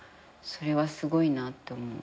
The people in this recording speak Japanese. それはすごいなって思う。